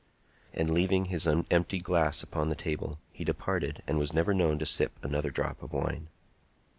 And, leaving his unemptied glass upon the table, he departed and was never known to sip another drop of wine.